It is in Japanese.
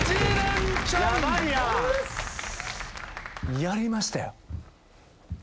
やりましたよ。